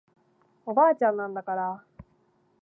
おばあちゃんなんだから